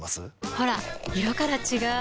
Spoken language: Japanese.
ほら色から違う！